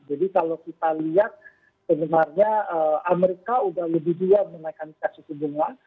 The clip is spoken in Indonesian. jadi kalau kita lihat sebenarnya amerika udah lebih diam menaikkan tiga suku bunga